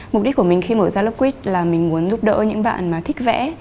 mục đích của mình khi mở ra lớp wit là mình muốn giúp đỡ những bạn mà thích vẽ